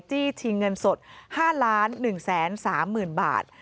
จี้ทีเงินสด๕ล้าน๑แสน๓หมื่นบาท